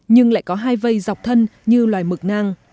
nhưng lại có hai vây dọc thân như loài mực nang